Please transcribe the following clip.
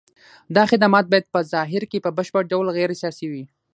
دا خدمات باید په ظاهر کې په بشپړ ډول غیر سیاسي وي.